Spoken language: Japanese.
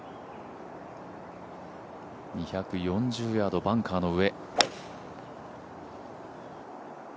２４０ヤード、バンカーの上。